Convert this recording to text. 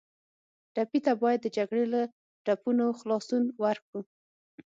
ټپي ته باید د جګړې له ټپونو خلاصون ورکړو.